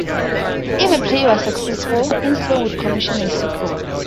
If a play was successful, Henslowe would commission a sequel.